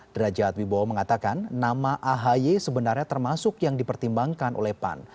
derajat wibowo mengatakan nama ahy sebenarnya termasuk yang dipertimbangkan oleh pan